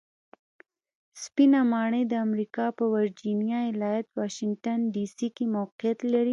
سپینه ماڼۍ د امریکا په ویرجینیا ایالت واشنګټن ډي سي کې موقیعت لري.